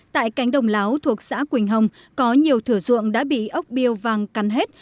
tại cánh đồng láo thuộc xã quỳnh hồng có nhiều thửa ruộng đã bị ốc biêu vàng cắn hết